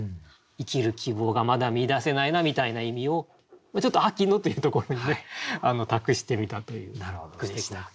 生きる希望がまだ見いだせないなみたいな意味をちょっと「秋の」というところに託してみたという句でした。